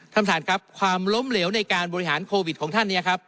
ท่านประธานครับความล้มเหลวในการบริหารโควิดของท่านเนี่ยครับ